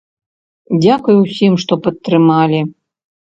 Дзякуй усім, што падтрымалі.